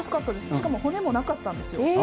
しかも骨もなかったんです。